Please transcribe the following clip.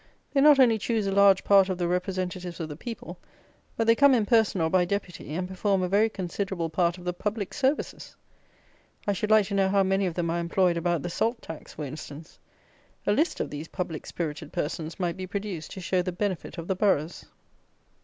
They not only choose a large part of the "representatives of the people;" but they come in person, or by deputy, and perform a very considerable part of the "public services." I should like to know how many of them are employed about the Salt Tax, for instance. A list of these public spirited persons might be produced to show the benefit of the Boroughs.